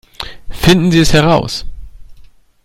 Finden Sie es heraus!